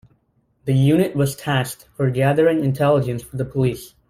The unit was tasked with gathering intelligence for the police.